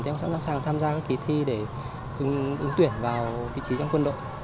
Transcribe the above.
thì em cũng sẵn sàng tham gia các kỳ thi để ứng tuyển vào vị trí trong quân đội